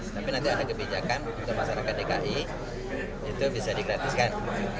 tapi nanti ada kebijakan untuk masyarakat dki itu bisa digratiskan